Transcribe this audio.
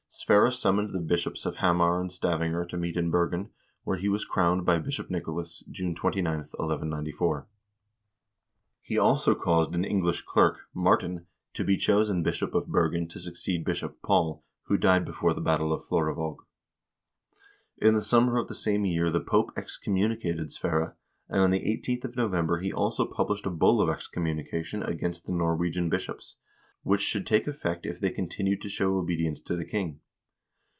Sverre summoned the bishops of Hamar and Stavanger to meet in Bergen, where he was crowned by Bishop Nicolas, June 29, 1194. He also caused an English clerk, Martin, to be chosen Bishop of Bergen to succeed Bishop Paul, who died before the battle of Florevaag. In the summer of the same year the Pope excommunicated Sverre, and on the 18th of November he also published a bull of excommunication against the Norwegian bishops, which should take effect if they continued to show obedience to the king.